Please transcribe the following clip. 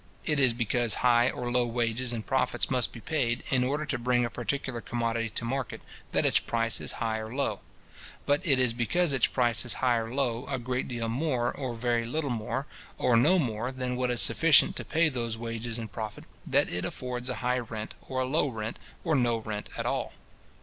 It is because high or low wages and profit must be paid, in order to bring a particular commodity to market, that its price is high or low. But it is because its price is high or low, a great deal more, or very little more, or no more, than what is sufficient to pay those wages and profit, that it affords a high rent, or a low rent, or no rent at all.